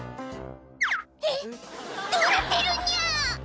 えっ、どうなってるにゃ。